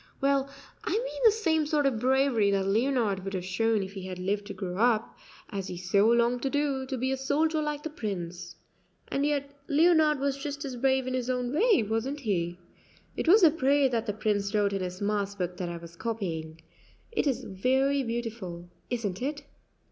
"Well, I mean the same sort of bravery that Leonard would have shown if he had lived to grow up, as he so longed to do, to be a soldier like the Prince. And yet Leonard was just as brave in his own way, wasn't he? It was the prayer that the Prince wrote in his mass book that I was copying; it is very beautiful, isn't it?"